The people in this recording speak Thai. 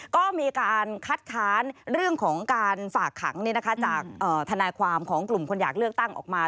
ก็มีการคัดค้านเรื่องของการฝากขังจากทนายความของกลุ่มคนอยากเลือกตั้งออกมา